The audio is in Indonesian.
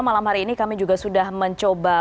malam hari ini kami juga sudah mencoba